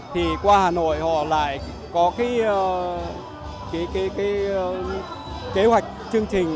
thì qua hà nội họ lại có cái kế hoạch chương trình